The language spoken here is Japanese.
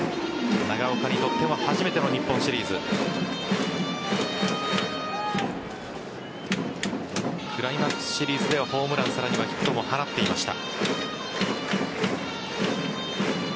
長岡にとっても初めての日本シリーズ。クライマックスシリーズではホームランさらにはヒットも放っていました。